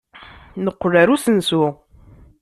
Neqqel ɣer usensu.